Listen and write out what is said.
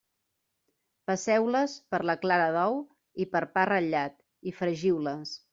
Passeu-les per la clara d'ou i per pa ratllat i fregiu-les.